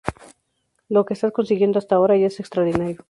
Lo que estás consiguiendo hasta ahora ya es extraordinario.